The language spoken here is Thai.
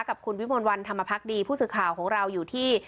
กับคุณวิมลวันธรรมพักดีผู้สื่อข่าวของเราอยู่ที่